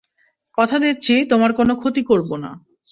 কথা দিচ্ছি, তোমার কোনো ক্ষতি করবো না।